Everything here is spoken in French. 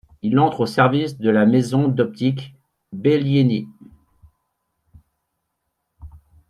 Il entre au service de la maison d'optique Bellieni.